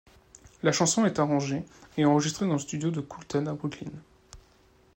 La chanson est arrangée et enregistrée dans le studio de Coulton, à Brooklyn.